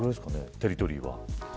テリトリーは。